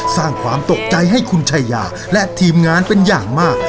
สร้างความตกใจให้คุณชายาและทีมงานเป็นอย่างมาก